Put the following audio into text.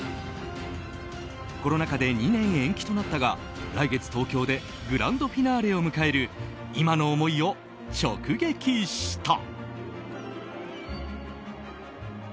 コロナ禍で２年延期となったが来月、東京でグランドフィナーレを迎える今の思いを直撃した。